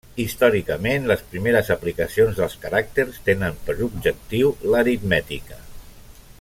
Històricament les primeres aplicacions dels caràcters tenen per objectiu l'aritmètica.